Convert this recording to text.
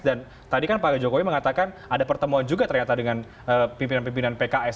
dan tadi kan pak jokowi mengatakan ada pertemuan juga ternyata dengan pimpinan pimpinan pks